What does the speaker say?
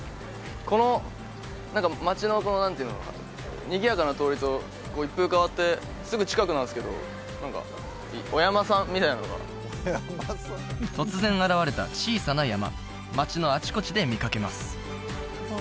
この何か街の何ていうのかなにぎやかな通りと一風変わってすぐ近くなんですけど何かお山さんみたいなのが突然現れた小さな山街のあちこちで見かけます